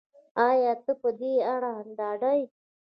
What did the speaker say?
ایا ته په دې اړه ډاډه یې